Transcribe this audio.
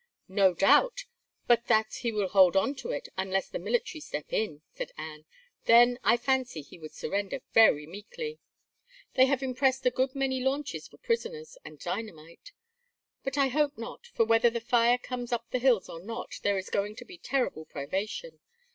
"No doubt but that he will hold on to it, unless the military step in," said Anne. "Then, I fancy, he would surrender very meekly. They have impressed a good many launches for prisoners and dynamite. But I hope not, for whether the fire comes up the hills or not, there is going to be terrible privation.